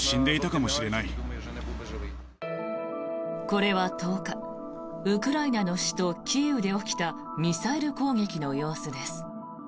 これは１０日ウクライナの首都キーウで起きたミサイル攻撃の様子です。